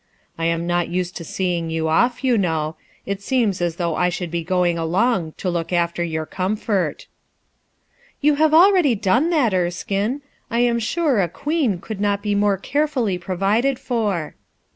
"I am not used to seeing you off, you 254 THEY HATED MYSTERY 255 know. It seems as though I should be going along to took after your comfort." "You have already done that, Erskine; I am sure a queen could not be more carefully provided for."